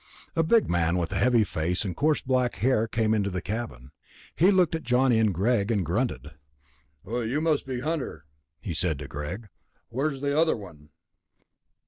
A big man with a heavy face and coarse black hair came into the cabin. He looked at Johnny and Greg and grunted. "You must be Hunter," he said to Greg. "Where's the other one?"